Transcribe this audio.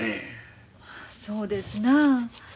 そうですなあ。